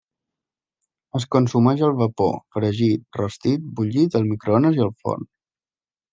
Es consumeix al vapor, fregit, rostit, bullit, al microones i al forn.